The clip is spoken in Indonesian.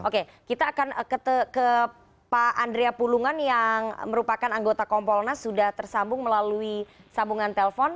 oke kita akan ke pak andrea pulungan yang merupakan anggota kompolnas sudah tersambung melalui sambungan telpon